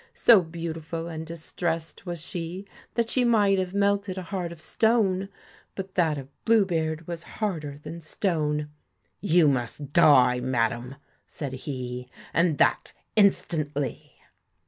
So beautiful and distressed was she that she might have melted a heart of stone, but that of Blue beard was harder than stone. 'You must die, madam,' said he, 'and that in stantly.'